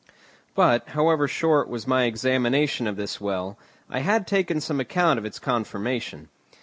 But, however short was my examination of this well, I had taken some account of its conformation.